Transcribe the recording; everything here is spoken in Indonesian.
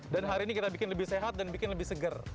dan hari ini kita bikin lebih sehat dan bikin lebih seger